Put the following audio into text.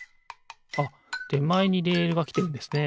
あってまえにレールがきてるんですね。